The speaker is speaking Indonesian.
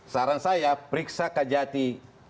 saran saya periksa kajati